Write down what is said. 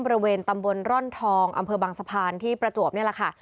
บริเวณตำบลร่อนทองอำเภอบางสะพานที่ประจวบนี่แหละค่ะ